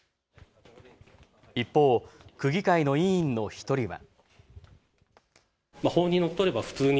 一方、区議会の委員の１人は。